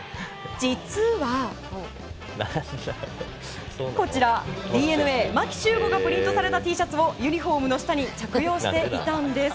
実は、こちらＤｅＮＡ牧秀悟がプリントされたＴシャツを、ユニホームの下に着用していたんです。